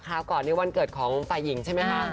คราวก่อนที่วันเกิดของไฟหญิงใช่มั้ยฮะ